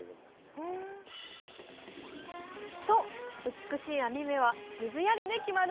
美しい網目は水やりで決まるんです。